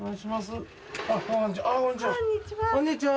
こんにちは。